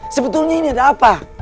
sebetulnya ini ada apa